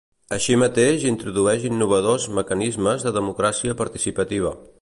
Així mateix introdueix innovadors mecanismes de democràcia participativa.